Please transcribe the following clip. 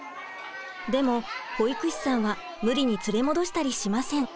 でも保育士さんは無理に連れ戻したりしません。